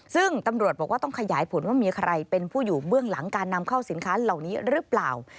ซึ่งตำรวจบอกว่าต้องขยายผลว่ามีใครเป็นผู้อยู่เบื้องหลังการนำเข้าสินค้าเหล่านี้หรือเปล่า